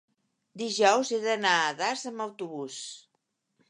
dijous he d'anar a Das amb autobús.